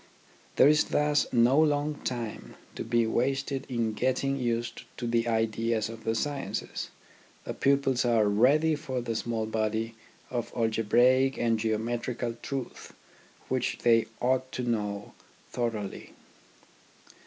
There is thus no long time to be wasted in getting used to the ideas of the sciences. The pupils are ready for the small body of algebraic and geometrical truths which they ought to know thoroughly.